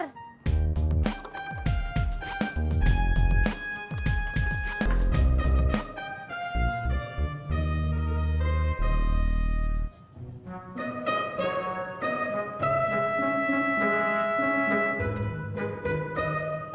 nyen enja dan bub